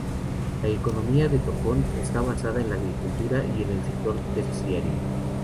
La economía de Tocón está basada en la agricultura y en el sector terciario.